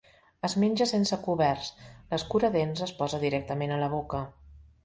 Es menja sense coberts, l'escuradents es posa directament a la boca.